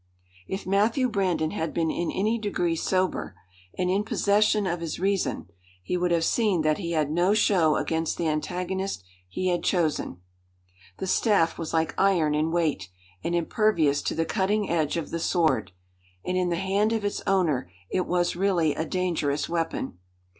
If Matthew Brandon had been in any degree sober, and in possession of his reason, he would have seen that he had no show against the antagonist he had chosen. The staff was like iron in weight, and impervious to the cutting edge of the sword; and in the hand of its owner it was really a dangerous weapon.